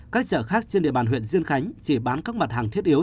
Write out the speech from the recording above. các chợ khác trên địa bàn huyện dương khánh chỉ bán các mặt hàng thiết yếu